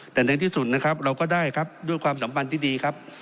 แต่ในทั้งที่สุดเราก็ได้ด้วยความสำคัญที่ดี